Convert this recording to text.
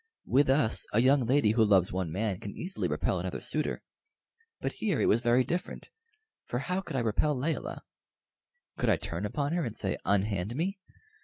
With us a young lady who loves one man can easily repel another suitor; but here it was very different, for how could I repel Layelah? Could I turn upon her and say "Unhand me"?